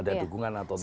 ada dukungan atau tidak